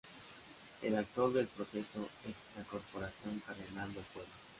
El actor del proceso es la Corporación Cardenal del Pueblo.